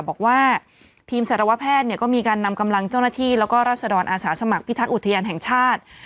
บอกว่าทีมสารวแพทย์เนี่ยก็มีการนำกำลังเจ้าหน้าที่แล้วก็รัศดรอาสาสมัครพิทักษ์อุทยานแห่งชาติ